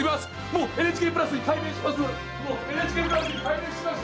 もうＮＨＫプラスに改名しました！